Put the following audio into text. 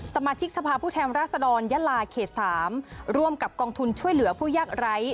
สมาชิกสภาพผู้แทนรัศดรยะลาเขต๓ร่วมกับกองทุนช่วยเหลือผู้ยากไร้